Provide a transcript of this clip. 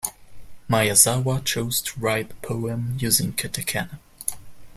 Miyazawa chose to write the poem using katakana.